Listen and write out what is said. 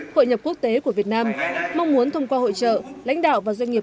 hội nhập quốc tế của việt nam mong muốn thông qua hội trợ lãnh đạo và doanh nghiệp